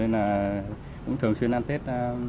nên là cũng thường xuyên ăn tết